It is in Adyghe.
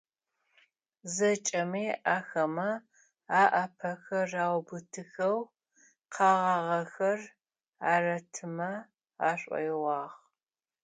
ЗэкӀэми ахэмэ аӏапэхэр аубытыхэу, къэгъагъэхэр аратымэ ашӀоигъуагъ.